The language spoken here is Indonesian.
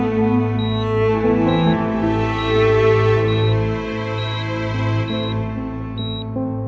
kau kalau kedekut